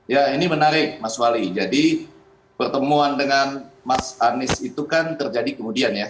ya ini menarik mas wali jadi pertemuan dengan mas anies itu kan terjadi kemudian ya